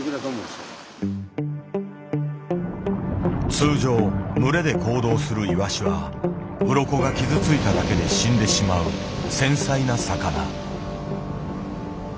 通常群れで行動するイワシはうろこが傷ついただけで死んでしまう繊細な魚。